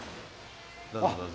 どうぞどうぞ。